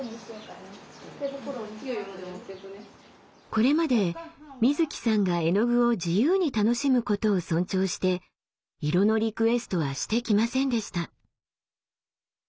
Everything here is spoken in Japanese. これまでみずきさんが絵の具を自由に楽しむことを尊重して色のリクエストはしてきませんでした。